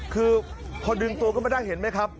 คือพอดึงตัวขึ้นมาได้เห็นไหมครับ